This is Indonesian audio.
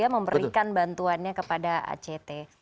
memberikan bantuannya kepada act